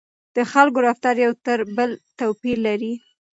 د خلکو رفتار یو تر بل توپیر لري.